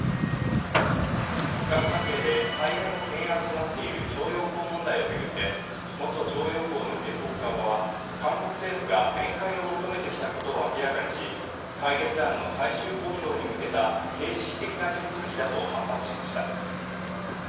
日韓関係で最大の懸案となっている徴用工問題を巡って元徴用工の原告側は韓国政府が面会を求めてきたことを明らかにし解決案の最終公表に向けた形式的な手続きだと反発しました。